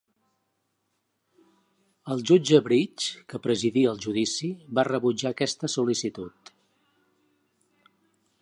El jutge Bridge, que presidia el judici, va rebutjar aquesta sol·licitud.